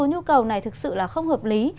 mặc dù nhu cầu này thực sự là không hợp lý